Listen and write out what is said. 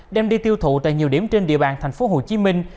đem đi tiêu thụ tại nhiều điểm trên địa bàn thành phố hồ chí minh